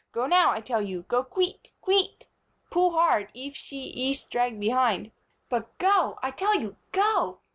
Go now, I tell you. Go queek, queek! Pull hard eef she ees drag behind. But go, I tell you, go!"